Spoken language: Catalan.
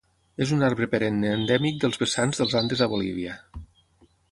És un arbre perenne endèmic dels vessants dels Andes a Bolívia.